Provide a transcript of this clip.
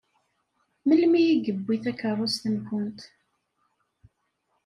Melmi i yewwi takeṛṛust-nkent?